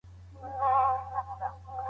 د تجربې پایلې عملي او اغېزمنې وې.